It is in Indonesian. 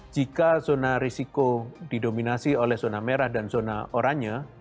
jika zona risiko didominasi oleh zona merah dan zona oranye